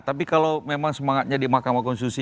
tapi kalau memang semangatnya di mahkamah konstitusi